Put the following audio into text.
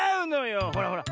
ほらほら